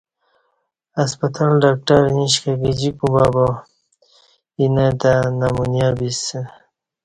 ہسپتال ڈاکٹر ایش کہ گجی کوبہ با اینہ تہ نمونیہ بسہ